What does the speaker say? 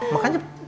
makanya pasan aja